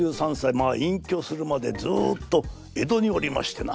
まあいんきょするまでずっと江戸におりましてな